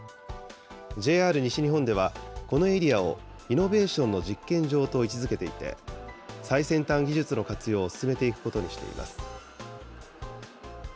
ＪＲ西日本では、このエリアを、イノベーションの実験場と位置づけていて、最先端技術の活用を進めていくことにしています。